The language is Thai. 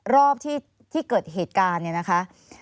รอบที่เกิดเหตุการณ์เนี่ยนะคะ